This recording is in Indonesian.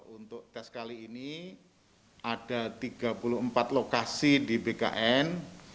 untuk tes kali ini ada tiga puluh empat lokasi di bkn